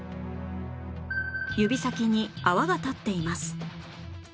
指先に泡が立っています